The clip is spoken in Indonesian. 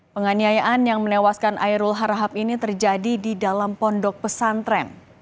penganiayaan yang menewaskan airul harahab ini terjadi di dalam pondok pesantren